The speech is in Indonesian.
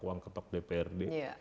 uang ketok dprd